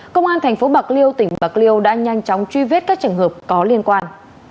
công an tp bạc liêu tỉnh bạc liêu đã nhanh chóng truy vết các trường hợp có liên quan